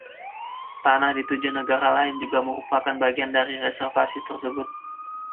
Tanah di tujuh negara lain juga merupakan bagian dari reservasi tersebut.